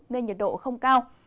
nên nhiệt độ không cao